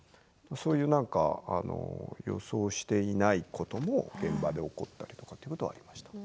予想していないことも現場で起こったりということはありました。